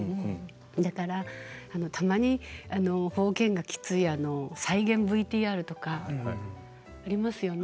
だから、たまに方言がきつい再現ＶＴＲとかありますよね。